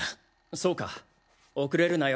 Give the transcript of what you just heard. そうか遅れるなよ。